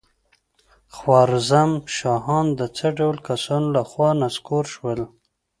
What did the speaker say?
خوارزم شاهان د څه ډول کسانو له خوا نسکور شول؟